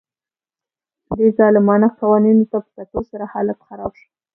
دې ظالمانه قوانینو ته په کتو سره حالت خراب شو